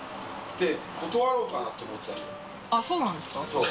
そう。